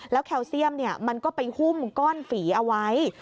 แล้วแคลเซียมมันก็ไปหุ้มก้อนฝีเอาไว้